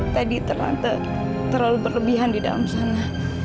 tadi terlalu berlebihan di dalam sana